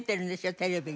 テレビに。